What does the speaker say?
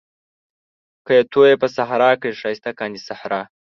که يې تويې په صحرا کړې ښايسته کاندي صحرا